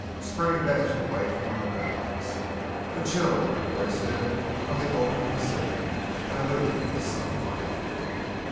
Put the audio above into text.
Spray dashed away from our bows. A chill raced in from the open Pacific, diluting the sunlight.